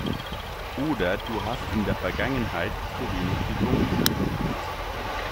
Oder du hast in der Vergangenheit zu wenig getrunken.